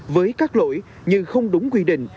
với các lỗi như không đúng quy định